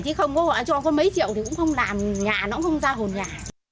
chứ không có cho có mấy triệu thì cũng không làm nhà nó cũng không ra hồn nhà